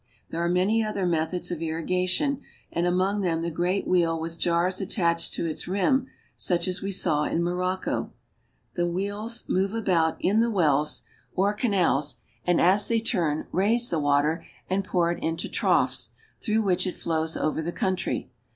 There are many other methods of irrigation, and among em the great wheel with jars attached to its rim, such as s saw in Morocco. The wheels move about in the wells n 92 AFRICA or canals, and, as they turn, raise the water and pour it into troughs, through which it flows over the country.